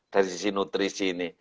dari sisi nutrisi ini